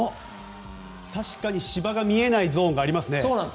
確かに芝が見えないゾーンがありますね。